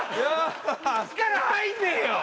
力力入んねえよ！